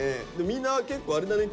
みんな結構あれだね。